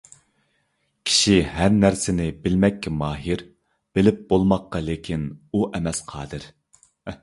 كىشى ھەر نەرسىنى بىلمەككە ماھىر. بىلىپ بولماققا لىكىن ئۇ ئەمەس قادىر.